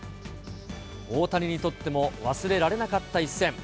大谷にとっても忘れられなかった一戦。